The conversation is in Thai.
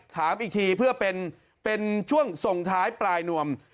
ถามอีกทีเพื่อเป็นช่วงส่งท้ายปลายนวม